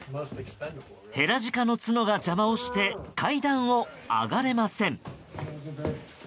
ヘラジカの角が邪魔をして階段を上がれません。